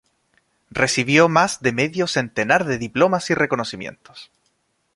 Recibió más de medio centenar de diplomas y reconocimientos.